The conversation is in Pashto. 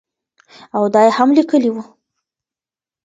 او دا ئې هم ليکلي وو